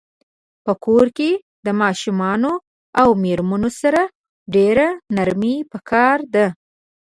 په کور کښی د ماشومانو او میرمنو سره ډیره نرمی پکار ده